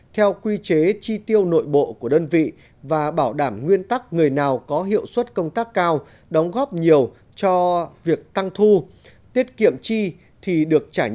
theo quy chế chi tiêu nội bộ của đơn vị và bảo đảm nguyên tắc người nào có hiệu suất công tác cao đóng góp nhiều cho việc tăng thu tiết kiệm chi thì được trả nợ